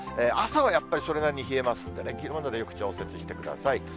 朝はやっぱり、それなりに冷えますんでね、着るものでよく調節してください。